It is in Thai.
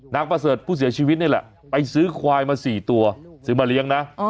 ประเสริฐผู้เสียชีวิตนี่แหละไปซื้อควายมา๔ตัวซื้อมาเลี้ยงนะ